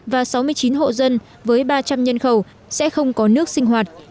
và sáu mươi chín hộ dân với ba trăm linh nhân khẩu sẽ không có nước sinh hoạt